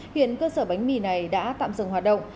hiện cơ sở bánh mì này đã tạm dừng hoạt động